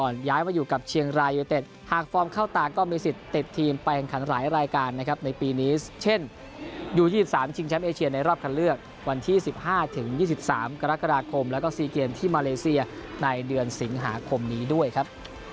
ในรอบคำเลือกวันที่๑๕ถึง๒๓กรกฎาคมแล้วก็ซีเกียนที่มาเลเซียในเดือนสิงหาคมนี้ด้วยครับ